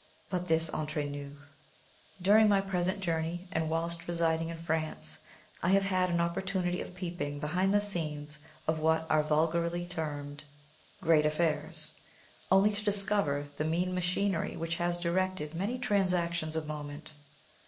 But this entre nous. During my present journey, and whilst residing in France, I have had an opportunity of peeping behind the scenes of what are vulgarly termed great affairs, only to discover the mean machinery which has directed many transactions of moment.